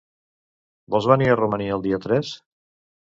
Vols venir a Romania el dia tres?